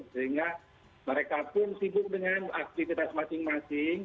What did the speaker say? sehingga mereka pun sibuk dengan aktivitas masing masing